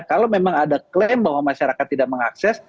kalau memang ada klaim bahwa masyarakat tidak mengakses